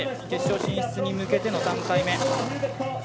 決勝進出に向けての３回目。